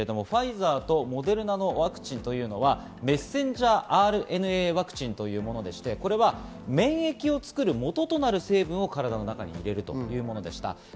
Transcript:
改めてになりますが、ファイザーとモデルナのワクチンというのはｍＲＮＡワクチンというものでして、免疫を作るもととなる成分を体の中に入れるというものでした。